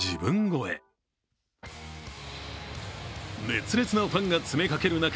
熱烈なファンが詰めかける中